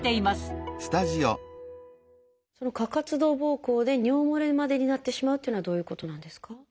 過活動ぼうこうで尿もれまでになってしまうっていうのはどういうことなんですか？